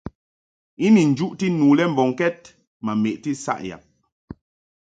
I ni njuʼti nu le mbɔŋkɛd ma meʼti saʼ yab.